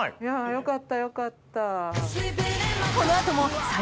よかったよかった。